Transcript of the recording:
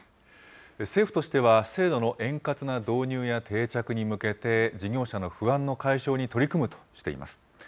政府としては制度の円滑な導入や定着に向けて、事業者の不安の解消に取り組むとしています。